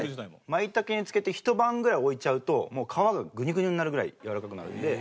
舞茸に漬けてひと晩ぐらい置いちゃうと皮がグニュグニュになるぐらいやわらかくなるんで。